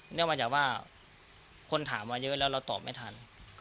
มาจากว่าคนถามมาเยอะแล้วเราตอบไม่ทัน